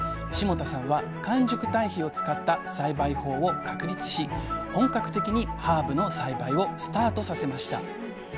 霜多さんは完熟堆肥を使った栽培法を確立し本格的にハーブの栽培をスタートさせました